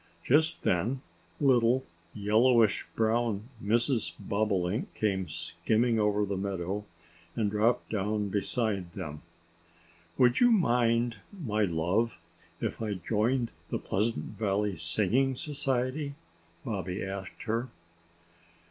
Just then little, yellowish brown Mrs. Bobolink came skimming over the meadow and dropped down beside them. "Would you mind, my love, if I joined the Pleasant Valley Singing Society?" Bobby asked her.